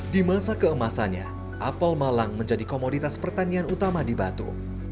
di masa keemasannya apel malang menjadi komoditas pertanian utama di batu